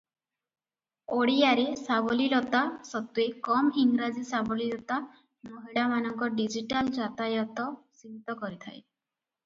ଓଡ଼ିଆରେ ସାବଲୀଳତା ସତ୍ତ୍ୱେ କମ ଇଂରାଜୀ ସାବଲୀଳତା ମହିଳାମାନଙ୍କ ଡିଜିଟାଲ ଯାତାୟାତ ସୀମିତ କରିଥାଏ ।